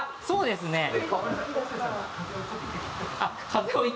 そうですね。